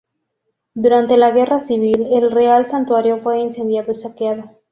Durante la Guerra Civil el Real Santuario fue incendiado y saqueado.